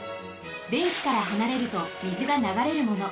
べんきからはなれるとみずがながれるもの。